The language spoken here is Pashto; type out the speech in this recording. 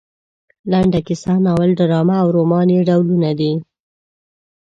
لنډه کیسه ناول ډرامه او رومان یې ډولونه دي.